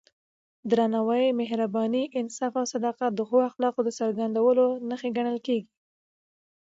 درناوی، مهرباني، انصاف او صداقت د ښو اخلاقو څرګندې نښې ګڼل کېږي.